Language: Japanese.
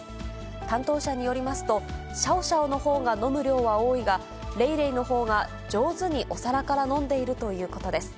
担当者によりますと、シャオシャオのほうが飲む量は多いが、レイレイのほうが上手にお皿から飲んでいるということです。